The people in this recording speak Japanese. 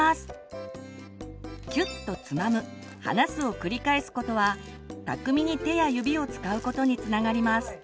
キュッとつまむ離すを繰り返すことは巧みに手や指を使うことにつながります。